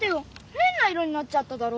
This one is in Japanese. へんな色になっちゃっただろ！